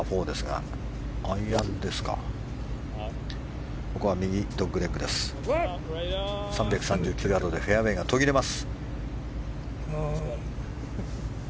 ３３９ヤードでフェアウェーが途切れます。